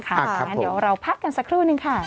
ครับผมค่ะเดี๋ยวเราพักกันสักครู่หนึ่งค่ะ